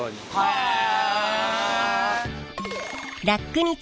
へえ！